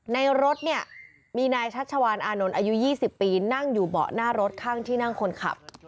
ในรถเนี่ยมีนายชัชวานอานนท์อายุ๒๐ปีนั่งอยู่เบาะหน้ารถข้างที่นั่งคนขับ